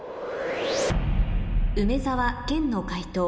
梅沢・研の解答